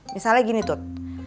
misalnya gini tut